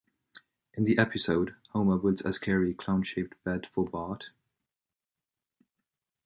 In the episode, Homer builds a scary clown-shaped bed for Bart.